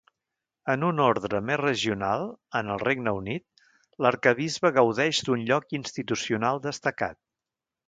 En un ordre més regional, en el Regne Unit, l'arquebisbe gaudeix d'un lloc institucional destacat.